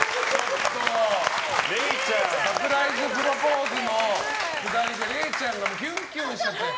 サプライズプロポーズのくだりでれいちゃんがキュンキュンしちゃって。